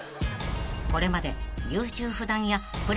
［これまで］